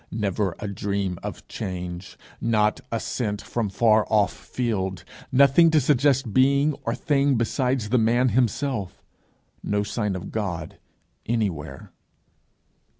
never a dream of change! not a scent from far off field! nothing to suggest being or thing besides the man himself, no sign of God anywhere.